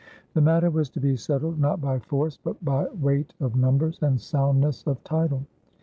The matter was to be settled not by force but by weight of numbers and soundness of title.